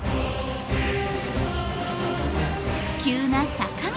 急な坂道。